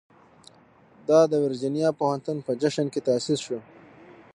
دا د ورجینیا پوهنتون په جشن کې تاسیس شو.